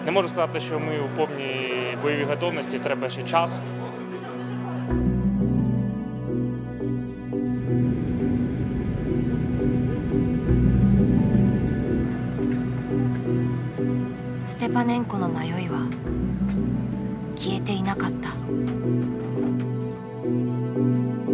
ステパネンコの迷いは消えていなかった。